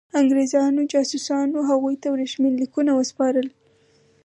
انګرېزانو جاسوسانو هغوی ته ورېښمین لیکونه وسپارل.